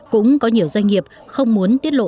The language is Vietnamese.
cũng có nhiều doanh nghiệp không muốn tiết lộ